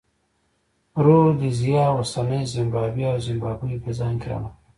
رودزیا اوسنۍ زیمبیا او زیمبابوې په ځان کې رانغاړي.